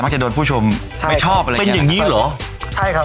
มักจะโดนผู้ชมไม่ชอบอะไรแบบนี้